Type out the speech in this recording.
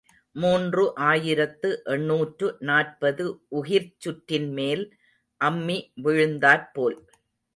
மூன்று ஆயிரத்து எண்ணூற்று நாற்பது உகிர்ச் சுற்றின்மேல் அம்மி விழுந்தாற் போல்.